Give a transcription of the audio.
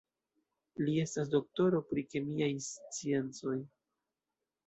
Li estas doktoro pri kemiaj sciencoj.